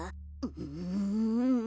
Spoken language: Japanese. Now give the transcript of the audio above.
うん。